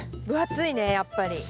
分厚いねやっぱり。